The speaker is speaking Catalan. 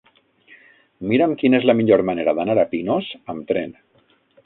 Mira'm quina és la millor manera d'anar a Pinós amb tren.